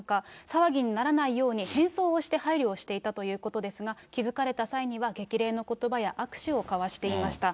騒ぎにならないように、変装をして配慮していたということですが、気付かれた際には、激励のことばや握手を交わしていました。